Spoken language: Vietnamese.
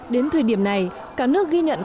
đến thời điểm này cả nước ghi nhận